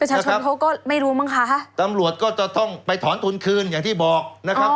ชนเขาก็ไม่รู้มั้งคะตำรวจก็จะต้องไปถอนทุนคืนอย่างที่บอกนะครับ